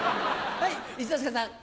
はい一之輔さん。